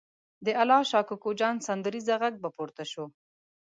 د الله شا کوکو جان سندریزه غږ به پورته شو.